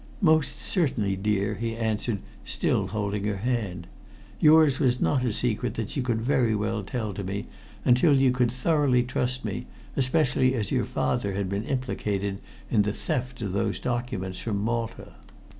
"Most certainly, dear," he answered, still holding her hand. "Yours was not a secret that you could very well tell to me until you could thoroughly trust me, especially as your father had been implicated in the theft of those documents from Malta.